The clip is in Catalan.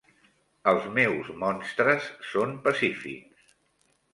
Els meus monstres són pacífics.